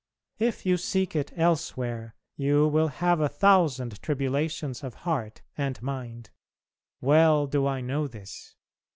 If you seek it elsewhere you will have a thousand tribulations of heart and mind. Well do I know this.